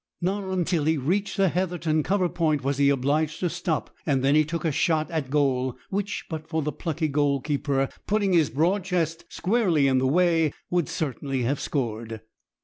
Not until he reached the Heatherton cover point was he obliged to stop, and then he took a shot at goal, which, but for the plucky goalkeeper putting his broad chest squarely in the way, would certainly have scored.